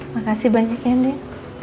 makasih banyak ya din